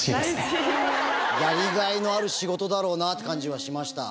やりがいのある仕事だろうなって感じはしました。